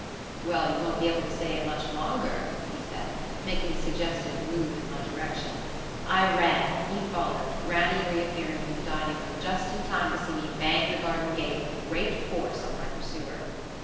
"Well, you won't be able to say it much longer," he said, making a suggestive move in my direction. I ran, and he followed, grannie reappearing from the dining room just in time to see me bang the garden gate with great force on my pursuer.